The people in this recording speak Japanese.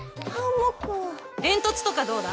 煙突とかどうだ？